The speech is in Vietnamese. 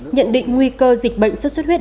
nhận định nguy cơ dịch bệnh xuất xuất huyết